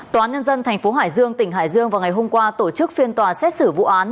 tòa án nhân dân tp hải dương tỉnh hải dương vào ngày hôm qua tổ chức phiên tòa xét xử vụ án